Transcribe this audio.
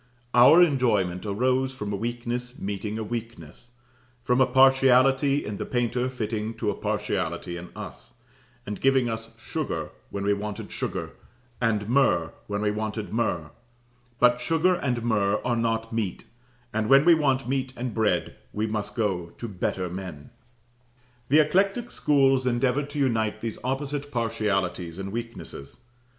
Our enjoyment arose from a weakness meeting a weakness, from a partiality in the painter fitting to a partiality in us, and giving us sugar when we wanted sugar, and myrrh when we wanted myrrh; but sugar and myrrh are not meat: and when we want meat and bread, we must go to better men. The eclectic schools endeavoured to unite these opposite partialities and weaknesses.